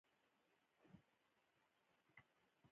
دا خلک فعال نه وي.